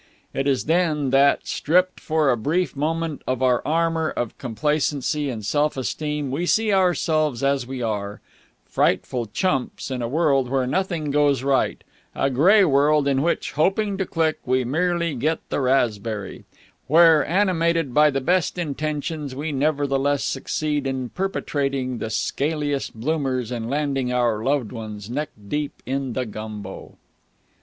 It is then that, stripped for a brief moment of our armour of complacency and self esteem, we see ourselves as we are frightful chumps in a world where nothing goes right; a grey world in which, hoping to click, we merely get the raspberry; where, animated by the best intentions, we nevertheless succeed in perpetrating the scaliest bloomers and landing our loved ones neck deep in the gumbo.